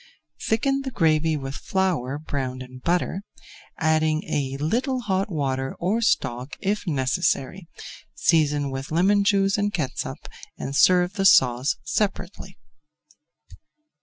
Thicken the gravy with flour browned in butter, adding a little hot water or stock if necessary, season with lemon juice and catsup and serve the sauce separately.